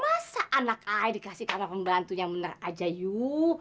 masa anak ayah dikasih kamar pembantu yang bener aja you